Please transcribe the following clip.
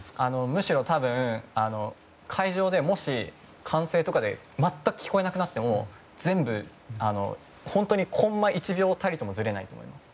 むしろ、多分、会場でもし歓声とかで全く聴こえなくなっても全部、本当にコンマ１秒たりともずれないと思います。